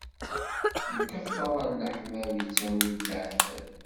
Lketṛa n leḥbab ittawi d laɛtab.